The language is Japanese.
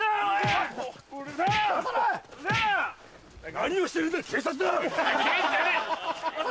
何をしてるんだ警察だ！